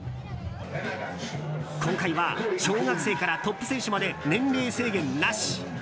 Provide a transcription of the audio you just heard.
今回は小学生からトップ選手まで年齢制限なし。